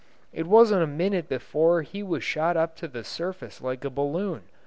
It wasn't a minute before he was shot up to the surface like a balloon.